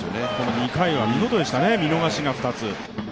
２回は見事でしたね、見逃しが２つ。